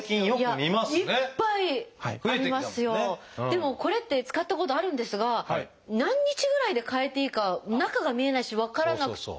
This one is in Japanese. でもこれって使ったことあるんですが何日ぐらいで替えていいか中が見えないし分からなくて。